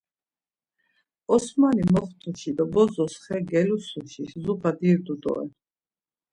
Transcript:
Osmani moxtuşi do bozos xe gelusuşi zuğa dirdu doren.